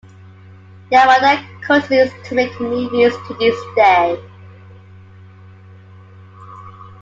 Yamada continues to make movies to this day.